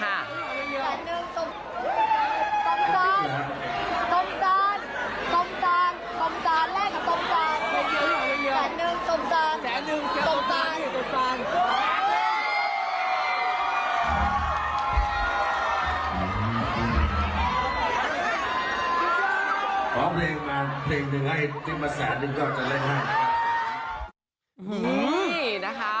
ขอเพลงอ่ะเพลงหนึ่งให้จะมาแสนหนึ่งก็จะเล่นให้